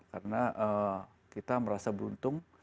karena kita merasa beruntung